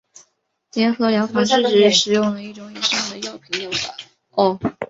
联合疗法是指使用了一种以上的药品的疗法。